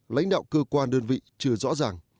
lãnh đạo cơ quan đơn vị chưa rõ ràng